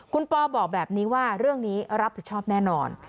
คุณปอบอกแบบนี้ว่าเรื่องนี้รับผิดชอบแน่นอน